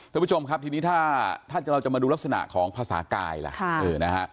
ท่านผู้ชมครับทีนี้ถ้าเราจะมาดูลักษณะของภาษากายล่ะ